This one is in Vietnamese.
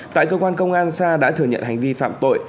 tại cơ quan công an sa đã thừa nhận hành vi phạm tội